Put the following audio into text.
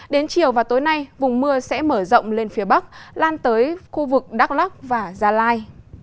đến chiều và tối nay vùng mưa sẽ mở rộng lên phía bắc lan tới khu vực đắk lắc và gia lai